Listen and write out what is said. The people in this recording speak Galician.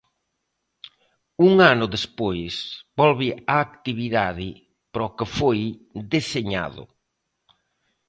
Un ano despois volve á actividade para o que foi deseñado.